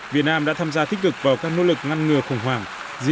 việt nam đã tham gia tích cực vào các nỗ lực ngăn ngừa khủng hoảng